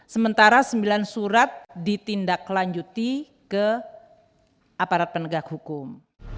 sementara sembilan surat ditindaklanjuti ke aparat penegak hukum